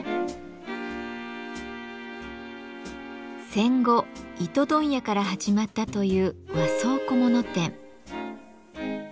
戦後糸問屋から始まったという和装小物店。